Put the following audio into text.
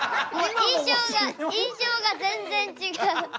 印象が全然違う。